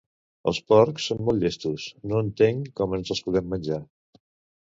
Els porcs són molt llestos, no entenc com ens els podem menjar.